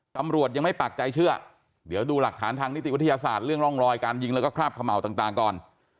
ตำรวจยังไม่ปากใจเชื่อเดี๋ยวดูหลักฐานทางนิติวิทยาศาสตร์เรื่องร่องรอยการยิงแล้วก็คราบเขม่าต่างก่อน